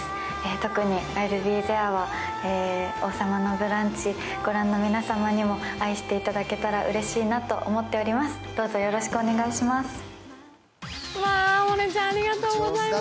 特に「Ｉ’ｌｌｂｅｔｈｅｒｅ」は「王様のブランチ」を御覧の皆様にも愛していただけたらうれしいなと思っております。